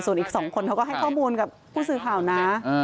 ส่วนอีก๒คนเขาก็ให้ข้อมูลกับผู้สื่อข่าวนะ